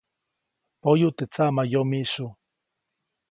Poyu teʼ tsaʼmayomiʼsyu.